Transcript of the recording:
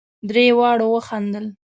درې واړو وخندل.